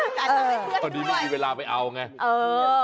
จานตังค์ดีมีเวลาไปเอาไง